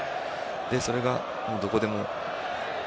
それがどこでも。